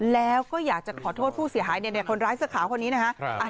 แล้วก็อยากจะขอโทษผู้เสียหายคนร้ายเสื้อขาวคนนี้นะฮะ